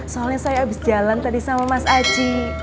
soalnya saya habis jalan tadi sama mas aji